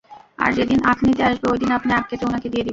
আর যেদিন আখ নিতে আসবে, ওইদিন আপনি আখ কেটে উনাকে দিয়ে দিবেন।